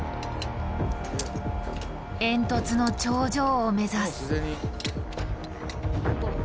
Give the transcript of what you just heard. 煙突の頂上を目指す。